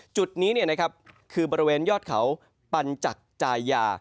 จุดนี้คือบริเวณยอดเขาปัญจักรจายา